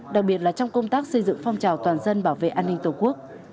đặc biệt là trong công tác xây dựng phong trào toàn dân bảo vệ an ninh tổ quốc